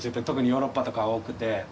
特にヨーロッパとかは多くて。